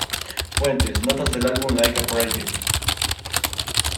Fuentes: notas del álbum "Like a Prayer".